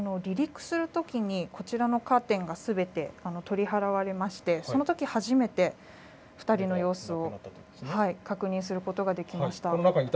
離陸するときに、こちらのカーテンがすべて取り払われまして、そのとき初めて２人の様子を確認することができました。